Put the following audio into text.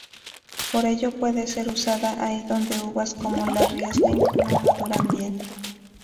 Por ello, puede ser usada ahí donde uvas como la riesling no maduran bien.